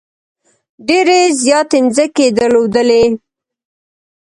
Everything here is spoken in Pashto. ډېرې زیاتې مځکې یې درلودلې.